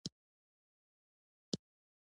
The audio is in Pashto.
هګۍ د سندویچ مهمه برخه ده.